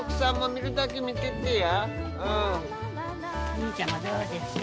兄ちゃんもどうですか？